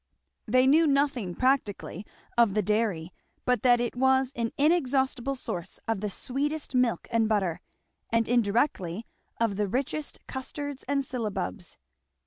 They knew nothing practically of the dairy but that it was an inexhaustible source of the sweetest milk and butter, and indirectly of the richest custards and syllabubs.